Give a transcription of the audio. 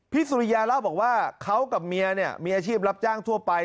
สุริยาเล่าบอกว่าเขากับเมียเนี่ยมีอาชีพรับจ้างทั่วไป